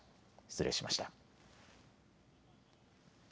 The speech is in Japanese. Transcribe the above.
失礼しました。